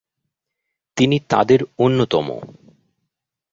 তিনি তাঁদের অন্যতম।